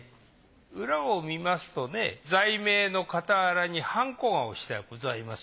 裏を見ますとね在銘の傍らにハンコが押してございます。